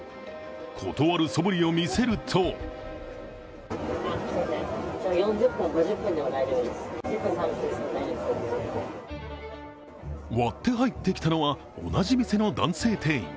断るそぶりを見せると割って入ってきたのは同じ店の男性店員。